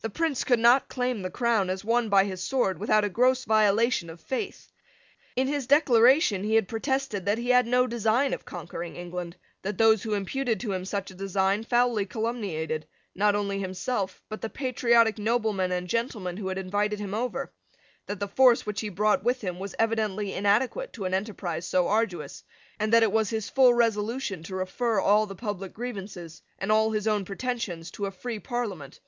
The Prince could not claim the crown as won by his sword without a gross violation of faith. In his Declaration he had protested that he had no design of conquering England; that those who imputed to him such a design foully calumniated, not only himself, but the patriotic noblemen and gentlemen who had invited him over; that the force which he brought with him was evidently inadequate to an enterprise so arduous; and that it was his full resolution to refer all the public grievances, and all his own pretensions, to a free Parliament.